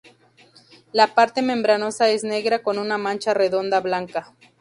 La parte membranosa es negra con una mancha redonda blanca.